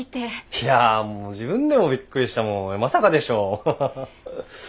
いやもう自分でもびっくりしたもんまさかでしょハハハ。